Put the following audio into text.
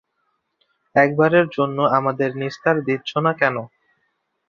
একবারের জন্য আমাদের নিস্তার দিচ্ছ না কেন?